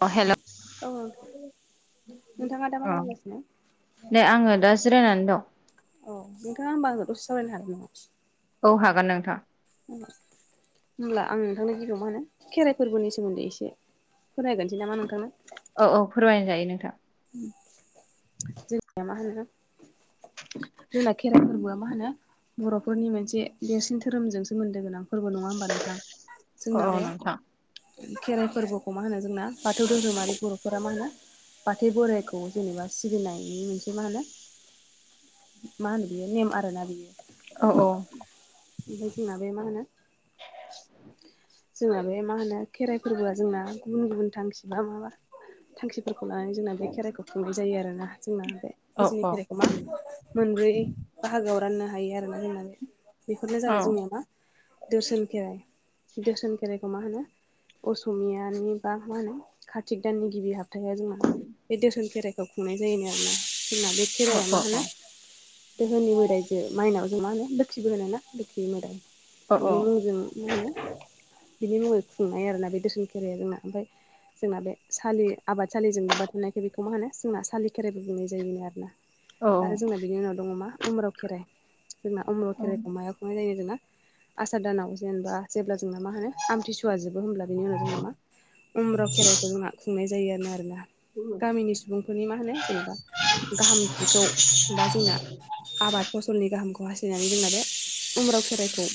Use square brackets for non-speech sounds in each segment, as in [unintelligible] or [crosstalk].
अ हेल' औ नोंथांङा दा मा खालामगासिनो नै आङो दा जिरायनानै दं औ नोंथांङा आंजो दसे सावरायनो हागोन नामा औ हागोन नोंथां उम होमब्ला आं नोंथांनो गिबियाव मा होनो खेराइ फोरबोनि सोमोन्दै एसे फोरमायगोरनोसै नामा नोंथांनो औ औ फोरमायजायो नोंथां जोंनिया मा होनो जोंना खेराइ फोरबोआ मा होनो बर'फोरनि मोनसे देरसिन धोरोमजोंसो मोन्दों गोनां फोरबो नङा होमबा नोंथां औ जोंना औ बे नोंथां खेराइ फोरबोखौ मा होनो जोंना बाथौ धोरोमारि बर'फोरा मा होनो बाथौ बोराइखौ जेनेबा सिबिनायनि मोनसे मा होनो मा होनो बियो नेम आरोना बियो औ औ बिनिफ्राय जोंना बे मा होनो जोंना बे मा होनो खेराइ फोरबोआ जोंना गुबुन गुबुन थांखि बा माबा थांखिफोरखौ लानानै जोंना बे खेराइखौ खुंनाय जायो आरोना जोंना बे औ बिजिनि औ खेराइखौ मा मोनब्रै बाहागोआव राननो हायो आरोना जोंना बे बेफोरनो औ जाबाय जोंनिया मा दोर्सोन खेराइ दोर्सोन खेराइखौ मा होनो असमियानि बा मा होनो कार्तिक दाननि गिबि हाबथाया जोंना बे दोर्सोन खेराइ खौ खुंनाय जायोनो आरोना जोंना बे खेराया औ मा होनो दोहोनि मोदायजों माइनाव जों मा होनो लोखिबो होनो ना लोखि मोदाय औ बिनि मुं जों मा होनो बिनि मुङै खुंनाय आरोना बे दोसन खेराया जोंना ओमफाय जोंना बे सालि आबाद सालिजों लोबबा थानायखाय बेखौ मा होनो जोंना सालि खेराइबो बुंनाय जायोनो आरोना औ आरो जोंना बिनि उनाव दङ मा उमराव खेराइ जोंना उमराव खेराइखौ माया खनाय जायो जोंना आसार दानाव जेनेबा जेब्ला जोंना मा होनो आमथिसुवा जोबो होमब्ला बिनि उनाव जोंना मा उमराव खेराइखौ जोंना खुंनाय जायोनो आरोना गामिनि सुबुंफोरनि मा होनो जेनेबा गाहाम बिखौ बा जोंना आबाद फसलनि गाहामखौ हास्थायनानै जोंना बे उमराव खेराइखौ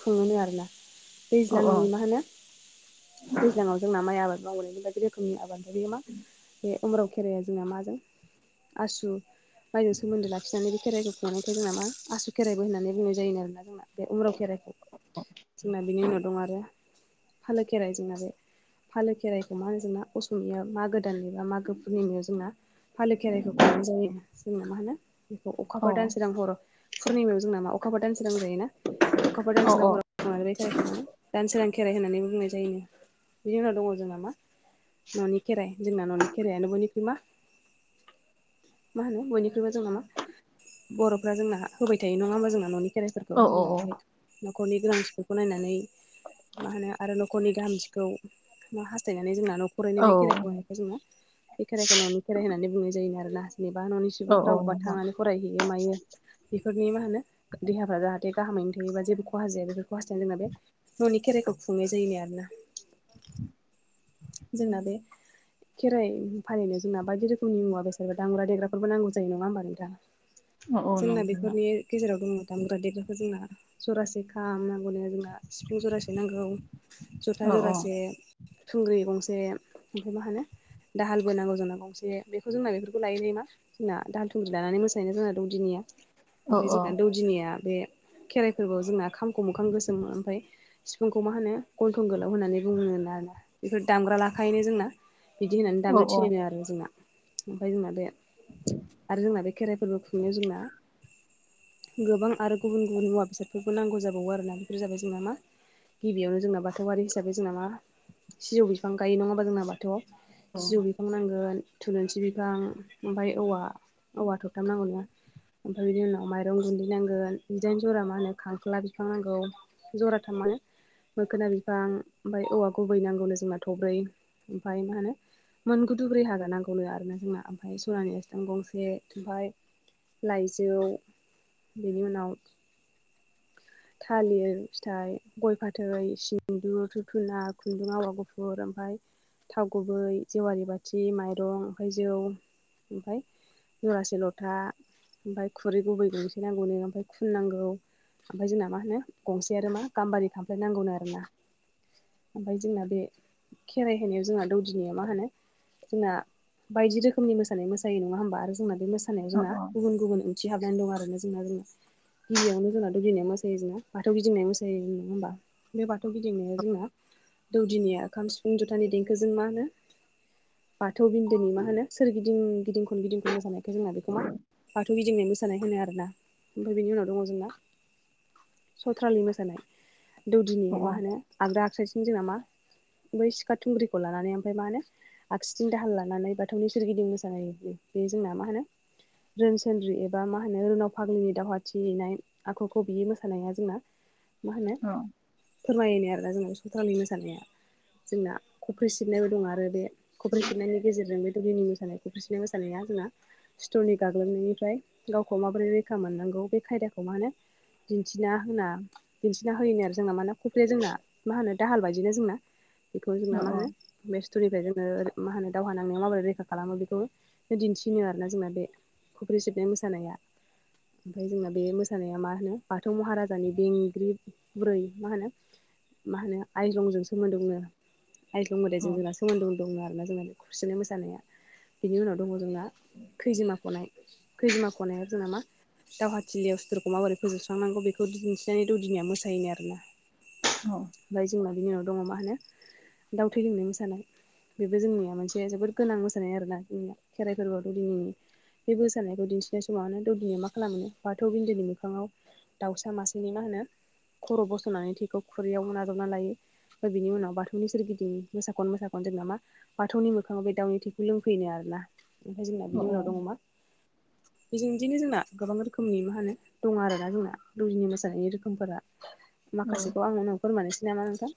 खुङोनो आरोना दैज्लांनि मा होनो दैज्लाङाव जोंना माइ आबाद मावोनायमोन बायदि रोखोमनि आबाद बेयो मा बे उमराव खेराया जोंना माजों आसु माइजों सोमोनदो लाखिनानै खेराइखौ खुंनायखाय जोंना मा आसु खेराइबो होननानै बुंनाय जायो आरोना जोंना बे उमराव खेराइखौ जोंना बिनि उनाव दं आरो फालो खेराइ जोंना बे फालो खेराइखौ मा जोंना असमिया मागो दाननि बा मागो फुरनिमायाव जोंना फालो खेराइखौ खुंनाय जायो जोंनो मा होनो बेखौ अखाफोर दानसे दानसोरां हराव पुर्निमायाव जों नामा अखाफोर दानसोरां जायोना बे अखाफोर दानसोरां हराव [unintelligible] दान सोरां खेराइ होननानै बुंनाय जायोनो बिनि उनाव दङ जोंना मा न'नि खेराइ जोंना न'नि खेरायानो बयनिख्रुइ मा मा होनो बयनिख्रुइबो जोंना मा बर'फ्रा जोंना होबाय थायो नङा होमबा जोंना न'नि खेराइ फोरखौ जोंना औ बे न'खरनि गोनांथिफोरखौ नायनानै मा होनो आरो न'खरनि गाहामथिखौ हास्थायनानै जोंना न' खरैनो बे खेराइखौ औ होनायखाय जोङो बे खेराइखौ न'नि खेराइ होननानै बुंनाय जायोमोन आरो ना जेन'बा न'नि सु सुबुंफ्रा औ अबेबा नोंथां थांनानै फरायहैयो मायो बेफोरनि मा होनो देहाफ्रा जाहाथे गाहामैनो थायोबा जेबो खहा जाया बेफोर खहा जनायानो जोंना बे न'नि खेराइखौ खुंनाय जायोनो आरो ना। [inaudible] जोंना बे खेराइ फालिनो जोंना बायदि रोखोमनि मुवा बेसाद दाम्रा देग्राफोरबो नांगौ जायो नङा होमबा नोंथां औ औ जोंना नोंथां बेफोरनि गेजेराव दङ दामग्रा देग्राखौ जोंना जरासे खामनांगौनो जोंना सिफुं जरासे नांगौ जथा औ जरासे थुंग्रि गंसे ओमफ्राय मा होनो दाहालबो नांगौ जोंना गंसे बेखौ जोंना बेफोरखौ लायै लायै मा जोंना दाहाल थुंग्रि लानानै मोसानाय जोंना दौदिनिया औ औ ओमफ्राय जोंना दौदिनिया बे खेराइ फोरबोयाव जोंना खामखौ मोखां गोसोम ओमफ्राय सिफुंखौ मा होनो गन्थं गोलाव होननानै बुङोनो आरोना बेफोर दामग्रा लाखायनो जोंना बिदि होननानै औ दामनो थिनो औ आरो जोंना ओमफ्राय जोंना बे आरो जोंना बे खेराइफोरबो खुंनायाव जोंना गोबां आरो गुबुन गुबुन मुवा बेसादफोरबो नांगौ जाबावो आरोना बेफोर जाबाय जोंना मा गिबियावनो जोंना बाथौआरि हिसाब जोंना मा सिजौ बिफां गायो नङा होमबा जोंन बाथौआव' औ सिजौ बिफां नांगोन थुलुंसि बिफां ओमफ्राय औवा औवा थथामनांगौना ओमफ्राय बिनि उनाव माइरं गुन्दै नांगोन जिदाइन जरा मा होनो खांख्ला बिफां नांगौ जराथाम मानो मोखोना बिफां ओमफ्राय औवा गुबै नांगौनो जोंना थब्रै ओमफ्राय मा होनो मोन गु दुब्रि हाग्रा नांगौनो आरोना जोंना ओमफ्राय सनानि एस्थां गंसे ओमफाय लाइजौ बेनि उनाव थालिर फिथाइ गय फाथै सिन्दुर धुप दुना खुन्दुं आवा गुफुर ओमफ्राय थाव गुबै जेवारि बाथि माइरं ओमफ्राय जौ ओमफ्राय जरासे लथा ओमफ्राय खुरै गुबै गंसे नांगौनो ओमफ्राय खुन नांगौ ओमफ्राय जोंना मा होनो गंसे आरो मा गाम्बारि खामफ्लाय नांगौनो आरो ना ओमफ्राय जोंना बे खेराइ होनायाव जोंहा दौदिनिया मा होनो जोंना बायदि रोखोमनि मोसानाय मोसायो नङा होमबा आरो जोंना बे मोसानायाव जोंना गुबुन गुबुन ओंथि हाबनानै दं आरोना जोंना गिबियावनो जोंना दौदिनिया मोसायो जोंना बाथौ गिदिंनाय मोसायो नङा होमबा बे बाथौ गिदिंनाया जोंना दौदिनिया खाम सिफुं जथानि देंखोजों मा होनो बाथौ बिन्दोनि मा होनो सोरगिदिं गिदिं खन गिदिं खन मोसानायखाय जोंना बेखौ मा बाथौ गिदिंनाय मोसा नाय होनो आरोना ओमफ्राय बेनि उनाव दङ जोंना सथ्रालि मोसानाय औ दौदिनिया मा होनो आगदा आखायजों जोंना मा बै सिखा थुंग्रिखौ लानानै ओमफ्राय मा होनो आगसिथिं दाहाल लानानै बाथौनि सोरगिदिं मोसानाय बे जोंना मा होनो रोनसोनद्रि एबा मा होनो रोनाव फाग्लिनि दावहा थिलिनाय आखुखौ बियो मोसानाया जोंना मा होनो औ फोरमायनाय आरोना जोंना बे सथ्रालि मोसानाया जोंना खफ्रि सिबनायबो दं आरो बे खफ्रि सिबनायनि गेजेरजों बे दुलिनि मोसानाय खफ्रि सिबनाय मोसानाया जोंना सुथुरनि गाग्लोबनायनिफ्राय गावखौ माबोरै रैखा मोननांगौ बे खायदाखौ मा होनो दिन्थिना होना दिन्थिना होयोनो आरो जोंना मा होनो खफ्रिया जोंना मा होनो दाहाल बायदिना जोंना बेखौ जोंना मा होनो बे स्ट'रिफ्राय जोङो मा होनो दावहा नांनायाव माबोरै रैखा खालामो बेखौ दिन्थिनो आरोना जोंना बे खफ्रि सिबनाय मोसानाया ओमफ्राय जोंना बे मोसानाया मा होनो बाथौ महाराजानि बेंग्रिब बुरै मा होनो मा होनो आइजंजों सोमोन्दो आइजं मोदायजों जोंना सो मोन्दो दंमोन आरोना जोंना खफ्रि सिबनाय मोसानाया बिनि उनाव दङ जोंना खैजिमा खनाय खैजिमा खनाया जोंना मा दावहाथिलियाव सुथुरखौ माबोरै फोजोबस्रांनांगौ बेखौ दिन्थिनानै दौदिनिया मोसायोनो आरोना औ ओमफ्राय जोंना बिनि उनाव दङ मा होनो दाउ थै लोंनाय मोसानाय बेबो जोंनिया मोनसे जोबोद गोनां मोसानाय आरोना जोंनिया खेराइ फोरबोआव दौदिनि बे मोसानायखौ दिन्थिनाय समावानो दौदिनिया मा खालामोनो बाथौ बिन्दोनि मोखाङाव दाउसा मासेनि मा होनो खर' बस'नानै थैखौ खुरैयाव नाजावना लायो ओमफ्राय बेनि उनाव बाथौनि सोरगिदिं मोसा खन मोसा खन जोंना मा बाथौनि मोखाङाव बे दाउनि थैखौ लोंफैयोनो आरोना ओमफ्राय जोंना बिनि उनाव दङ मा बेजों बिदिनो जोंना गोबां रोखोमनि मा होनो दङ आरोना जोंना दौदिनि मोसानायनि रोखोमफोरा माखासेखौ आं उनाव फोरमानोसै नामा नोंथां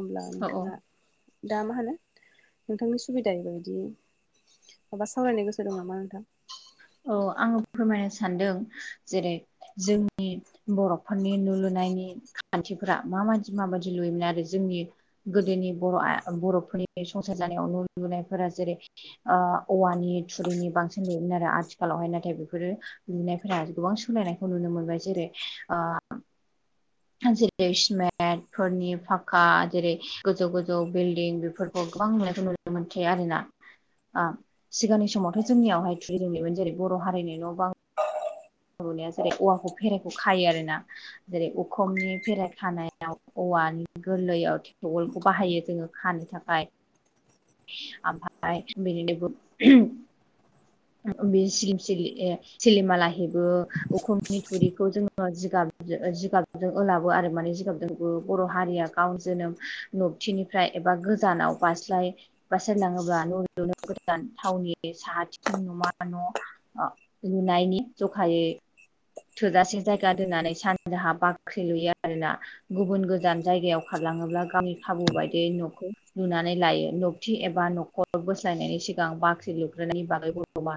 अब्ला औ नोंथाङा दा मा होनो नोंथांनि सुबिदायै बायदि माबा सावरायनो गोसो दं नामा नोंथां औ आङो फोरमायनो सानदों जेरै जोंनि बर'फोरनि नु लुनायनि खान्थिफोरा माबायदि माबायदि लुयोमोन आरो जोंनि गोदोनि बर' बर'फोरनि संसार जानायाव न लुनायफोरा जेरै औवानि थुरिनि बांसिन लुयोमोन आरो आथि खालावहाय नाथाय बेफोरो लुनायफोरा गोबां सोलायनायखौ नुनो मोनबाय जेरै जेरै सिमेन्ट फोरनि फाखा जेरै गोजौ गोजौ बिल्डिं बेफोर खौ गोबां लुनायखौ नुनो मोनसै आरो ना सिगांनि समावथ' जोंनियावहाय थुरि नुयोमोन जेरै बर' हारिनि न' बां लुनाया जेरै औवाखौ फेराइखौ खायो आरोना जेरै उखुमनि फेराय खानायाव औवानि गोरलैयाव थेवलखौ बाहायो जोङो खानो थाखाय आमफाय बिदिनो [inaudible] बे सिलिम सिलि सिलिमाला हेबो अखमनि थुरिखौ जोङो जिगाबजो जिगाब ओलाबो आरो माने जिगाबजोंबो बर' हारिया गाव जोनोम नबथिनि फ्राय एबा गोजानाव बास्लाय बास्लाय लाङोब्ला न'लुनो गोजान थावनि साहाथिं नमा न' लुनायनि जखायै थोजासे जायगा दोननानै सानजाहा बाख्रि लुयो आरोना गुबुन गोजान जायगायाव खारलाङोब्ला गावनि खाबु बायदियै न'खौ लुनानै लायो नबथि एबा न खर' बोस्लायनायनि सिगां बाख्रि लुग्रोननायनि बागैबो [unintelligible] मा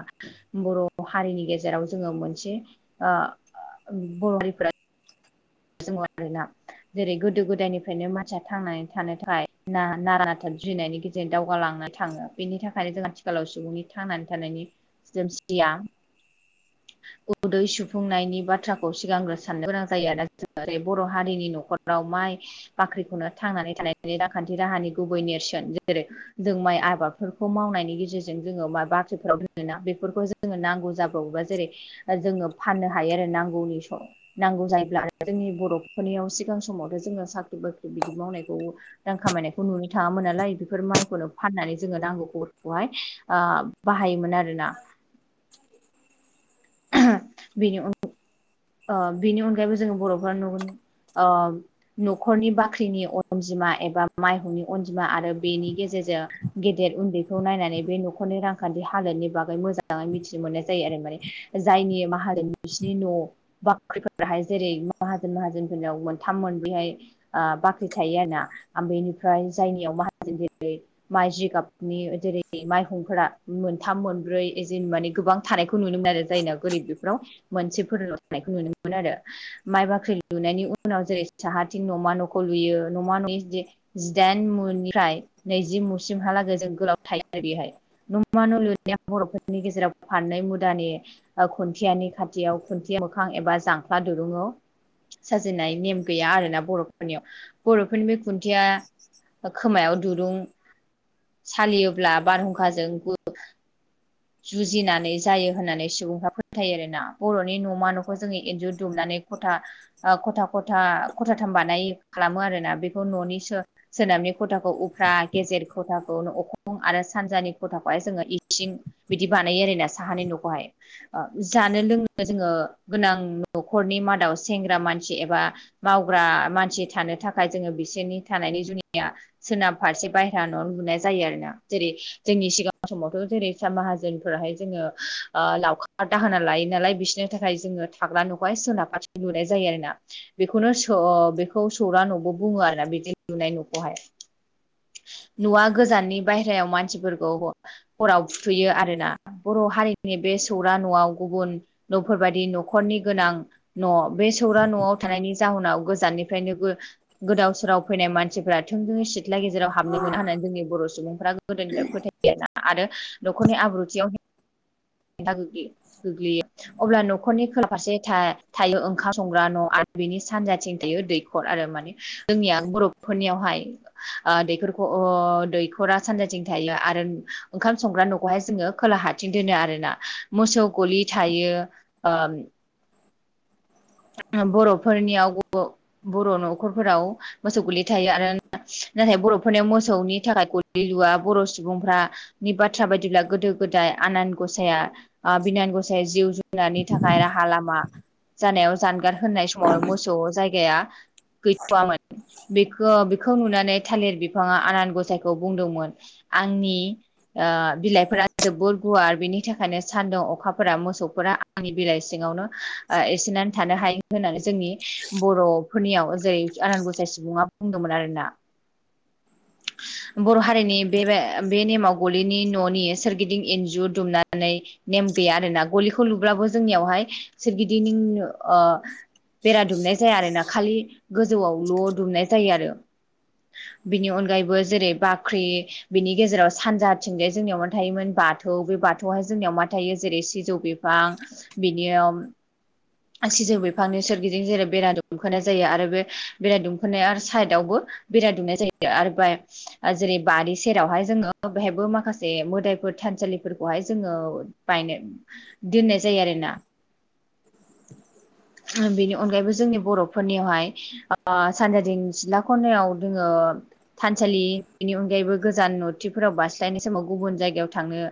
बर' हारिनि गेजेराव जोङो मोनसे बर' हारिफोरा [unintelligible] जेरै गोदो गोदायनिफ्रायनो मानसिया थांनानै थानो थाखाय ना नारा नाथा जुजिनायनि गेजेरजों जे दावगालांना थाङो बेनि थाखायनो जों आथिखालाव सुबुंनि थांनानै थानायनि जोम सिया उदै सुफुंनायनि बाथ्राखौ सिगांग्रो साननो गोनां जायो आरो ना जेरै बर' हारिनि न'खराव माइ बाख्रिखौनो थांनानै थानायनि रांखान्थि राहानि गुबै नेरसोन जेरै जों माइ आबादफोरखौ मावनायनि गेजेरजों जोङो माइ बाख्रिफोराव दोनोना बेफोरखौ जों जोङो नांगौ जाब्र'बोबा जेरै जोङो फाननो हायो आरो नांगौनि सम नांगौ जायोब्ला जोंनि बर'फोरनियाव सिगां समावथ' जोङो साख्रि बाख्रि बिदि मावनायखौ रां खामायनायखौ नुनो थाङामोन नालाय बेफोर माइखौनो फाननानै जोङो नांगौफोरखौहाय बाहायोमोन आरोना [inaudible] बिनि अन बिनि अनगायैबो जोङो बर'फोरा न'नि न'खरनि बाख्रिनि अनजिमा एबा माइहुंनि अनजिमा आरो बेनि गेजेरजों गेदेर उन्दैखौ नायनानै बे न'खरनि रांखान्थि हालोदनि बागै मोजाङै मिथिनो मोननाय जायो आरो माने जायनि माहारिनि बिसिनि न' बाख्रिफोराहाय जेरै माहाजोन माहाजोनफोरनाव मोनथाम मोनब्रैहाय अ बाख्रि थायो आरोना ओम बेनिफ्राय जायनियाव माहाजोन जेरै माइ जिगाबनि जेरै माइहुंफोरा मोनथाम मोनब्रै ज माने गोबां थानायखौ नुनो मोनो आरो जायनाव गोरिब बेफोराव मोनसेफोरनाव थानायखौ नुनो मोनोमोन आरो माइ बाख्रि लुनायनि उनाव जेरै साहाथिं न'मा न'खौ लुयो न'मा न' जिदाइन मुनिफ्राय नैजि मुसिमहालागै जों गोलाव थायो आरो बेहाय नमा न' लुनाया बर'फोरनि गेजेराव फाननै मुदानि ओ खुन्थियानि खाथियाव खुन्थि मोखां एबा जांख्ला दुरुङआव साजिनाय नेम गैया आरोना बर'फोरनियाव बर'फोरनि बे खुन्थिया खोमायाव दुरुं सालियोब्ला बारहुंखाजों जुजिनानै जायो होननानै सुबुंफ्रा फोथायो आरोना बर'नि न'मा न'खौ खौ जोङो एन्जुर दुमनानै खथा ओ खथा खथा खथाथाम बानाय खालामो आरोना बेखौ न'नि सो सोनाबनि खथाखौ उफ्रा गेजेर खथाखौ अखा फुं आरो सानजानि खथाखौहाय जोङो इसिं बिदि बानायो आरोना साहानि न'खौहाय ओ जानो लोंनो जोङो गोनां न'खरनि मादाव सेंग्रा मानसि एबा मावग्रा मानसि थानो थाखाय जोङो बिसोरनि थानायनि जुनिया सोनाब फारसे बायहेरा न' लुनाय जायो आरो ना जेरै जोंनि सिगां समावथ' जेरैसा माहाज जोंफोराहाय जोङो ओ लावखार दाहोना लायो नालाय बिसोरनि थाखाय जोङो थाग्रा न'खौहाय सोनाब फार लुनाय जायो आरो ना बेखौनो स बेखौ सौरा न'बो बुङो आरो ना बिदि लुनाय न'खौहाय नआ गोजाननि बायहेरायाव मानसिफोरखौ हराव फुथुयो आरो ना बर' हारिनि बे सौरा न'आव गुबुन न'फोरबायदि न'खरनि गोनां न' बे सौरा न'आव थानायनि जाहोनाव गोजाननिफ्रायनो गोदाव सोराव फैनाय मानसिफ्रा थोंजोङै सिथ्ला गेजेराव हाबनो मोना होननानै जोंनि बर' सुबुंफ्रा गोदोनिफ्राय फोथायो ना आरो न'खरनि आब्रुथियाव [unintelligible] गोग्लैयो अब्ला न'खरनि खोला फारसे थायो ओंखाम संग्रा न' आरो बेनि सानजाथिं थायो दैखर आरो माने जोंनिया बर'फोरनियावहाय ओ दैखरखौ ओ दैखरा सानजाथिं थायो आरो ओंखाम संग्रा न'खौहाय जोङो खोलाहाथिं दोनो आरोना मोसौ गलि थायो ओ बर'फोरनियाव बर' न'खरफोराव मोसौ गोलै थायो आरो नाथाय बर'फोरनियाव मोसौनि थाखाय गलि लुवा बर' सुबुंफ्रा नि बाथ्रा बायदिब्ला गोदो गोदाय आनान गसाया आ बिनान गसाइ जिउ जुनारनि थाखाय राहा लामा जानायाव जानगार होननाय समावनो मोसौ जायगाया गैथ'वामोन बेखौ बेखौ नुनानै थालिर बिफाङा आनान गसाइखौ बुंदोंमोन आंनि ओ बिलाइफोरा जोबोर गुवार बिनि थाखायनो सान्दुं अखाफोरा मोसौफोरा आंनि बिलाइ सिङावनो ओ एसेना थानो हायो होननानै जोंनि बर'फोरनियाव जेरै आनान गसाइ सुबुङा बुंदोंमोन आरोना बर' हारिनि बे बे नेमाव गलिनि न'नि सोरगिदिं एन्जुर दुमनानै नेम गैया आरो ना गलिखौ लुब्लाबबो जोंनियावहाय सोरगिदिं ओ बेरा दुमनाय जाया आरोना खालि गोजौआवल' दुमनाय जायो आरो बेनि अनगायै गायैबो जेरै बाख्रि बिनि गेजेराव सानजाथिंजाय जोंनियाव मा थायोमोन बाथौ बे बाथौहाय जोंनियाव मा थायो जेरै सिजौ बे फां बिनियाव सिजौ बिफांनि सोरगिदिं जेरै बेरा दुमखननाय जायो आरो बे बेरा दुमखननाय साइदावबो बेराय दुमनाय जायो आरो बे जेरै बारि सेरावहाय जोङो बेहायबो माखासे मोदायफोर थानसालिफोरखौहाय जोङो। बायनो दोननाय जायो आरोना। [inaudible] ओ बेनि अनगायैबो जोंनि बर'फोरनियावहाय ओ सानजाारिं सिथ्ला खनायाव जोङो ओ थानसालि बेनि अनगायैबो गोजान नथिफोराव बारस्लायनाय समाव गुबुन जायगायाव थांनो